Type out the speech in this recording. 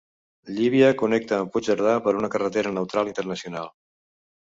Llívia connecta amb Puigcerdà per una carretera neutral internacional.